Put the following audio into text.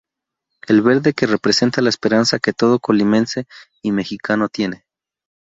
El verde que representa la esperanza que todo colimense y mexicano tiene.